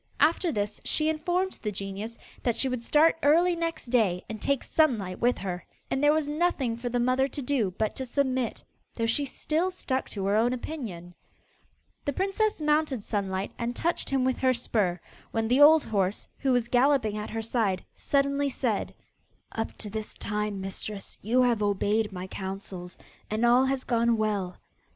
After this she informed the genius that she would start early next day and take Sunlight with her. And there was nothing for the mother to do but to submit, though she still stuck to her own opinion. The princess mounted Sunlight, and touched him with her spur, when the old horse, who was galloping at her side, suddenly said: 'Up to this time, mistress, you have obeyed my counsels and all has gone well.